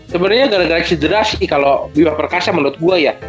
sebenernya gara gara cedra sih kalo bima perkasa menurut gue ya